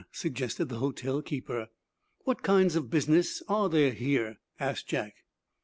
suggested the hotel keeper. "What kinds of business are there here?" asked Jack.